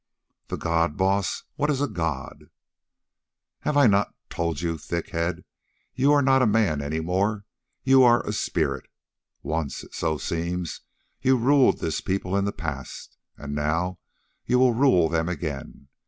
"The god, Baas? What is a god?" "Have I not told you, thickhead? You are not a man any more, you are a spirit. Once, so it seems, you ruled this people in the past, and now you will rule them again.